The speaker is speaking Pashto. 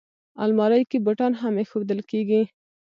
الماري کې بوټان هم ایښودل کېږي